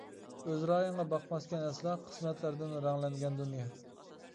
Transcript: ئۆز رايىڭغا باقماسكەن ئەسلا، قىسمەتلەردىن رەڭلەنگەن دۇنيا.